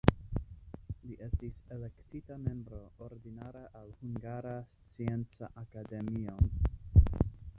Li estis elektita membro ordinara al Hungara Scienca Akademio.